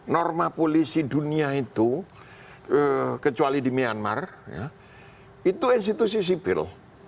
norma polisi dunia itu kecuali di myanmar itu institusi sipil